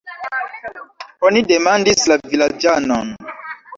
Oni demandis la vilaĝanon.